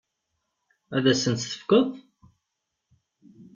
Ad asent-t-tefkeḍ?